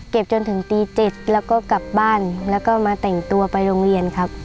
จนถึงตี๗แล้วก็กลับบ้านแล้วก็มาแต่งตัวไปโรงเรียนครับ